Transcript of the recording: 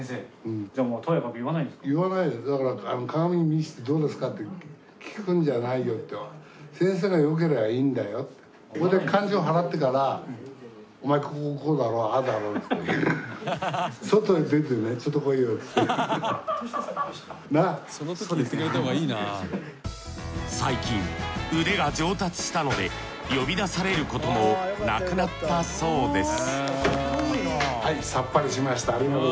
言わないですだから最近腕が上達したので呼び出されることもなくなったそうです